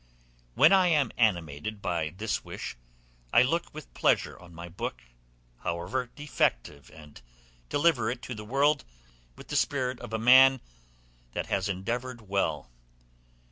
When I am animated by this wish, I look with pleasure on my book, however defective, and deliver it to the world with the spirit of a man that has endeavored well.